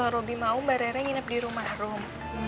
bang robi mau mbak rere nginep di rumah rom